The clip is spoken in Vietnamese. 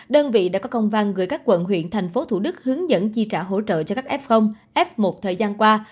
đơn vị đã có công văn gửi các quận huyện thành phố thủ đức hướng dẫn chi trả hỗ trợ cho các f f một thời gian qua